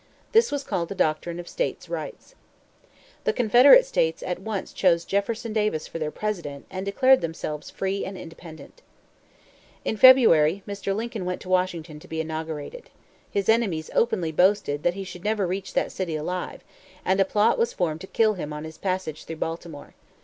This was called the doctrine of States' Rights. The Confederate States at once chose Jefferson Davis for their President, and declared themselves free and independent. In February, Mr. Lincoln went to Washington to be inaugurated. His enemies openly boasted that he should never reach that city alive; and a plot was formed to kill him on his passage through Baltimore.